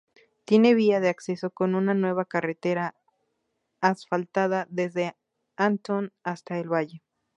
Tiene vía de acceso con una nueva carretera asfaltada desde Antón hasta El Valle.